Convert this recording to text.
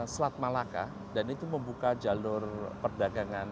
selat malaka dan itu membuka jalur perdagangan